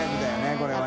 これはね。